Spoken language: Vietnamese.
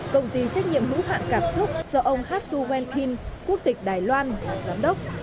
công ty trách nhiệm hữu hạn cảm xúc do ông hát xu nguyên kinh quốc tịch đài loan là giám đốc